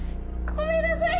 ごめんなさい！